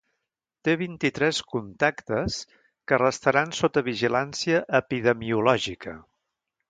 Té vint-i-tres contactes que restaran sota vigilància epidemiològica.